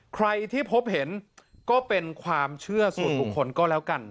ใครที่พบเห็นก็เป็นความเชื่อส่วนบุคคลก็แล้วกัน